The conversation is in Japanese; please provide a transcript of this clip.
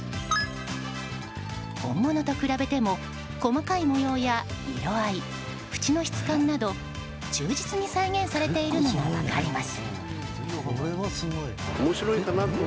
本物と比べても細かい模様や色合いふちの質感など忠実に再現されているのが分かります。